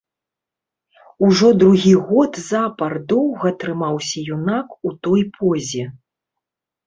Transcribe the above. Ужо другі год запар доўга трымаўся юнак у той позе.